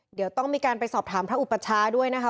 เดี๋ยวต้องมีการไปสอบถามพระอุปชาด้วยนะคะ